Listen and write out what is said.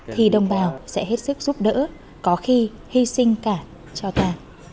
thì đồng bào sẽ hết sức giúp đỡ có khi hy sinh cả cho ta